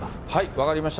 分かりました。